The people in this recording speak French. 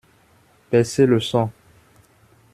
Baissez le son.